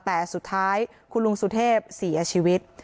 แต่สุดท้ายคุณลุงสุเทพเสียชีวิต